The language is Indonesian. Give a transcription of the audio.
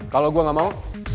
kalau gue gak mau